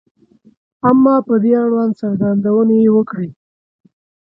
• اما په دې اړوند څرګندونې یې وکړې.